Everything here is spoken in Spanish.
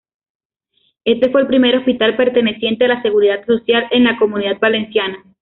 Este fue el primer hospital perteneciente a la Seguridad Social en la Comunidad Valenciana.